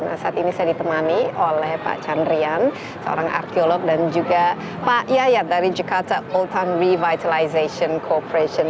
nah saat ini saya ditemani oleh pak chandrian seorang arkeolog dan juga pak yayat dari jakarta old time revitalization corporation